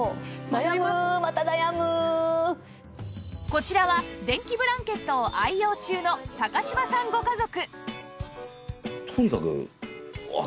こちらは電気ブランケットを愛用中の柴さんご家族